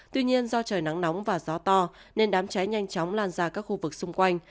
tuy nhiên do trời nắng nóng và gió to nên đám cháy nhanh chóng lan ra các khu vực xung quanh